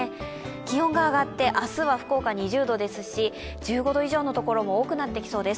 気温が上がって、明日は福岡２０度ですし、１５度以上のところも多くなってきそうです。